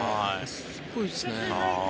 すごいですね。